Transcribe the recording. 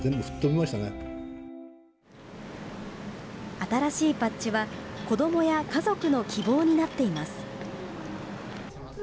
新しいパッチは、子どもや家族の希望になっています。